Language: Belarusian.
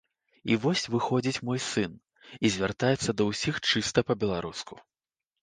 І вось выходзіць мой сын і звяртаецца да ўсіх чыста па-беларуску.